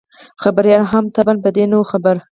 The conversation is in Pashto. خبریال هم طبعاً په دې نه وو خبر.